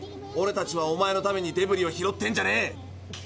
オレたちはおまえのためにデブリを拾ってんじゃねえ。